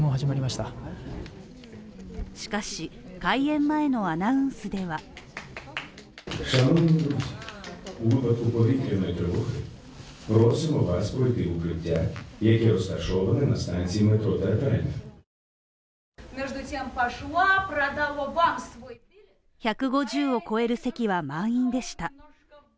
しかし、開演前のアナウンスでは１５０を超える席は満員でした。